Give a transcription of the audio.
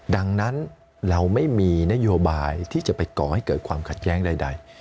ดังนั้นเราไม่มีนโยบายที่จะไปก่อให้เกิดความขัดแย้งใด